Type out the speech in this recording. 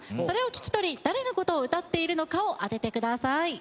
それを聴き取り誰の事を歌っているのかを当てて下さい。